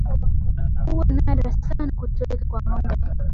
Huwa nadra sana kutokea kwa ng'ombe